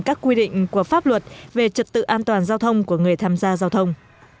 các quy định của pháp luật về trật tự an toàn giao thông của người tham gia giao thông